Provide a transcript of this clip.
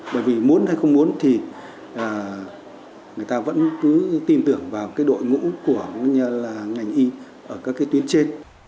bởi vì muốn hay không muốn thì người ta vẫn cứ tin tưởng vào cái đội ngũ của ngành y ở các cái tuyến trên